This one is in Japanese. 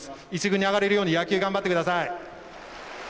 １軍に上がれるように野球、頑張ってください！